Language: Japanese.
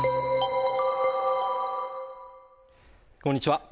こんにちは